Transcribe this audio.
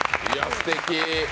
すてき。